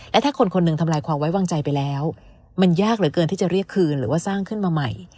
และถ้าคนคนหนึ่งทำลายความไว้วางใจไปแล้วมันยากเหลือเกินที่จะเรียกคืนหรือว่าสร้างขึ้นมาใหม่